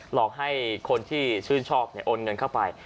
หลอกให้คนที่ชื่นชอบโอนเงินเข้าไป